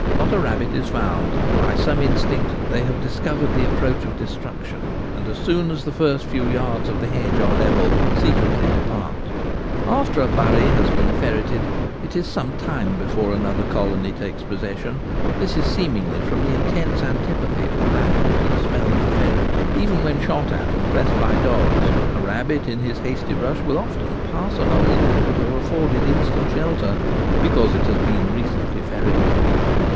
not a rabbit is found By some mstf^ct they have disco v ered the approach of destruction, and as soon as the first few yards of the hedge are levelled secretly depart After a 'bury' has been ferreted it is some time before another colony takes possession: this is seemingly from the intense antipathy of the rabbit to the smell of the ferret Even when shot at and pressed by dogs, a rabbit in his hasty rush will often pass a hole which would have afforded instant shelter because it has been recently ferreted.